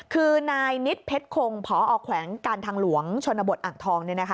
คือนายนิดเพชรคงพอแขวงการทางหลวงชนบทอ่างทอง